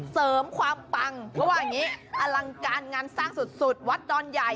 เสริมความปังเพราะว่าอย่างนี้อลังการงานสร้างสุดวัดดอนใหญ่